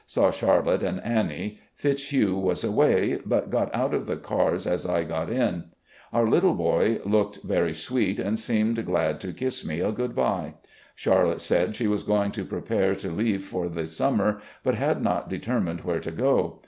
Saw Charlotte and Annie. Fitzhugh was away, but got out of the cars as I got in. Our little boy looked very sweet and seemed glad to kiss me a good bye. Char lotte said she was going to prepare to leave for the sum mer, but had not determined where to go.